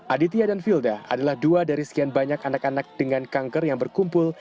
aditya dan filda adalah dua dari sekian banyak anak anak dengan kanker yang berkumpul